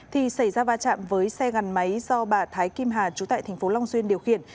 thì xảy ra va chạm với xe gắn máy do bà thái kim hà trú tại tp long xuyên điều khiển